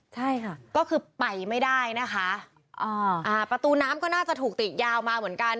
ใช่ค่ะก็คือไปไม่ได้นะคะอ่าอ่าประตูน้ำก็น่าจะถูกติดยาวมาเหมือนกัน